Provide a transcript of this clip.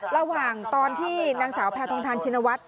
ระหว่างตอนที่นางสาวแพทองทานชินวัฒน